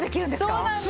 そうなんです。